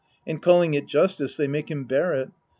And calling it justice, they make him bear it.